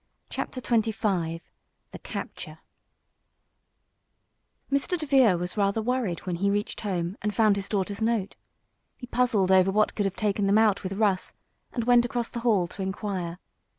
CHAPTER XXV THE CAPTURE Mr. DeVere was rather worried when he reached home, and found his daughters' note. He puzzled over what could have taken them out with Russ, and went across the hall to inquire.